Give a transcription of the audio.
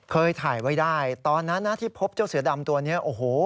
เคยถ่ายไว้ได้ตอนนั้นนะที่พบเจ้าเสือดำตัวนี้โอ้โห